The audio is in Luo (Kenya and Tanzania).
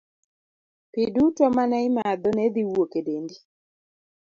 Pi duto ma ne imadho ne dhi wuok e dendi.